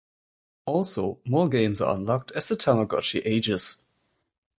Also, more games are unlocked as the Tamagotchi ages.